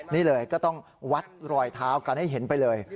นี่เลยก็ต้องวัดรอยเท้ากันให้เห็นไปเลย